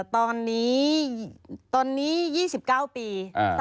ตอนนี้๒๙ปี